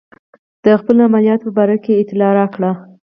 د خپلو عملیاتو په باره کې اطلاع راکړئ.